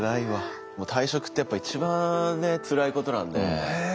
もう退職ってやっぱ一番ねつらいことなんで。